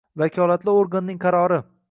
vakolatli organning qarori